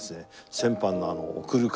先般の送る会。